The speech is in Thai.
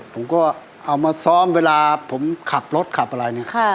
ผมก็เอามาซ้อมเวลาผมขับรถขับอะไรเนี่ย